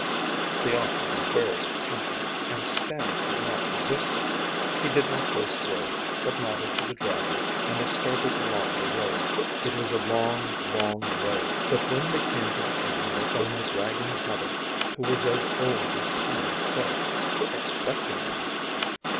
The offer was very tempting, and Stan could not resist it. He did not waste words, but nodded to the dragon, and they started along the road. It was a long, long way, but when they came to the end they found the dragon's mother, who was as old as time itself, expecting them.